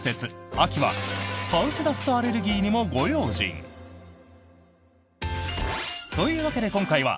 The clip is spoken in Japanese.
秋はハウスダストアレルギーにもご用心！というわけで、今回は。